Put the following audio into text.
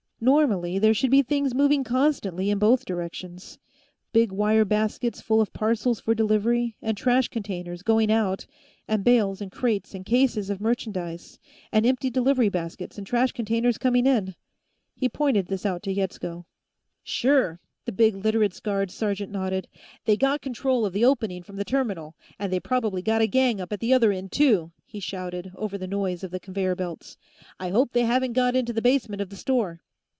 Normally, there should be things moving constantly in both directions big wire baskets full of parcels for delivery, and trash containers, going out, and bales and crates and cases of merchandise, and empty delivery baskets and trash containers coming in. He pointed this out to Yetsko. "Sure," the big Literates' guards sergeant nodded. "They got control of the opening from the terminal, and they probably got a gang up at the other end, too," he shouted, over the noise of the conveyor belts. "I hope they haven't got into the basement of the store."